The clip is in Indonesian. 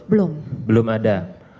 belum belum ada